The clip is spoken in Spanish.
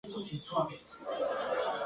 Personaje Melibea.